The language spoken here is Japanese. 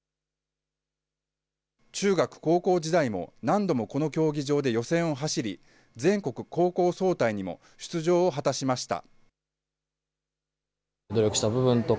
中学、高校時代も何度もこの競技場で予選を走り、全国高校総体にも出場を果たしました。